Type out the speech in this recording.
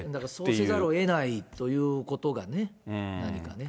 そうせざるをえないということがね、何かね。